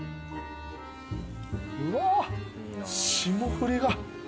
うわ霜降りが。